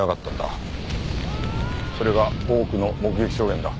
それが多くの目撃証言だ。